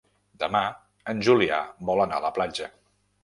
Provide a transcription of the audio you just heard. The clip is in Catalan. Demà en Julià vol anar a la platja.